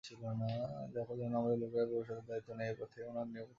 দেখো যেন আমাদের লোকেরা প্রবেশদ্বারের দায়িত্ব নেয়, তারপর থেকে ওনার নিরাপত্তা দায়িত্ব নেবে।